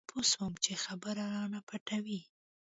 زه پوه سوم چې خبره رانه پټوي.